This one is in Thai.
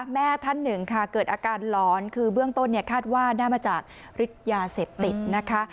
แม่ท่านหนึ่งค่ะเกิดอาการหลอนคือเบื้องต้นเนี่ยคาดว่าน่าจะมาจากฤทธิ์ยาเสพติดนะคะ